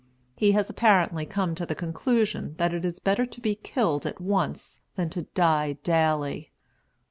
He has apparently come to the conclusion that it is better to be killed at once than to die daily.